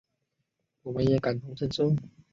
我们也感同身受